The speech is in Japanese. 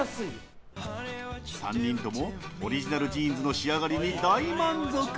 ３人ともオリジナルジーンズの仕上がりに大満足。